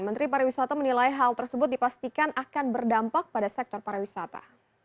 menteri pariwisata menilai hal tersebut dipastikan akan berdampak pada sektor pariwisata